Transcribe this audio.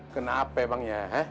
kenapa emang ya